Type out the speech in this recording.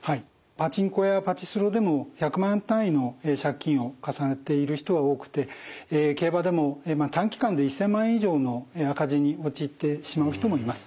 パチンコやパチスロでも１００万単位の借金を重ねている人は多くて競馬でも短期間で１，０００万円以上の赤字に陥ってしまう人もいます。